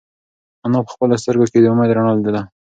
انا په خپلو سترگو کې د امید رڼا لیدله.